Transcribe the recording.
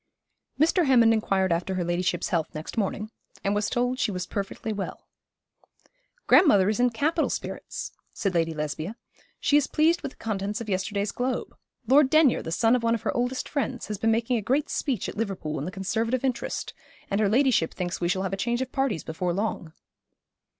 Mr. Hammond inquired after her ladyship's health next morning, and was told she was perfectly well. 'Grandmother is in capital spirits,' said Lady Lesbia. 'She is pleased with the contents of yesterday's Globe. Lord Denyer, the son of one of her oldest friends, has been making a great speech at Liverpool in the Conservative interest, and her ladyship thinks we shall have a change of parties before long.'